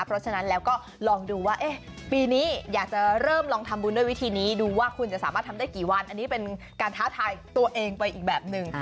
เพราะฉะนั้นแล้วก็ลองดูว่าปีนี้อยากจะเริ่มลองทำบุญด้วยวิธีนี้ดูว่าคุณจะสามารถทำได้กี่วันอันนี้เป็นการท้าทายตัวเองไปอีกแบบหนึ่ง